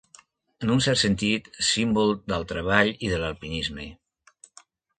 En un cert sentit, símbol del treball i de l'alpinisme.